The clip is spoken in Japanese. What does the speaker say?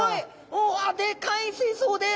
うわでかい水槽です。